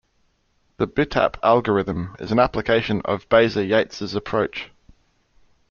The bitap algorithm is an application of Baeza–Yates' approach.